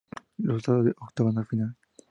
Resultados Octogonal Final